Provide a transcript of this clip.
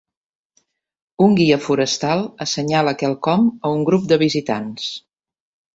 Un guia forestal assenyala quelcom a un grup de visitants.